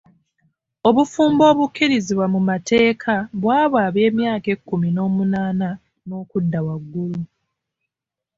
Obufumbo obukkirizibwa mu mateeka bw'abo ab'emyaka ekkumi n'omunaana n'okudda waggulu.